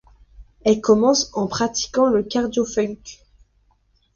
Elle commence en pratiquant le cardio funk.